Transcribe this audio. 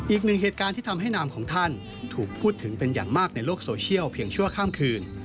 อีกหนึ่งเหตุการณ์ที่ทำให้นามของท่านถูกพูดถึงเป็นอย่างมากในโลกโซเชียลเพียงชั่วข้ามคืน